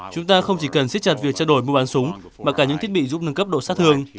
chúng ta không chỉ cần siết chặt việc trao đổi mua bán súng mà cả những thiết bị giúp nâng cấp độ sát thương